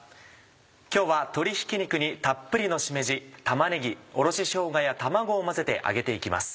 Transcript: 今日は鶏ひき肉にたっぷりのしめじ玉ねぎおろししょうがや卵を混ぜて揚げて行きます。